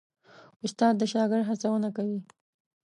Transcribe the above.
استاد د شاګرد هڅونه کوي.